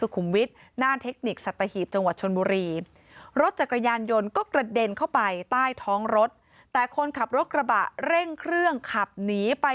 กำลังกลับรถกระบะเร่งเครื่องขับหนีไป